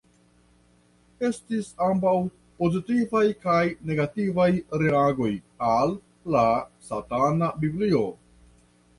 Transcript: Estis ambaŭ pozitivaj kaj negativaj reagoj al "La Satana Biblio.